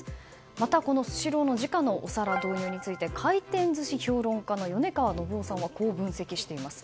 また、スシローの時価のお皿導入について回転寿司評論家の米川伸生さんはこう分析しています。